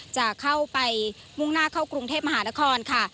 จะเข้าไปมุ่งหน้าเข้ากรุงเทพมหานครค่ะ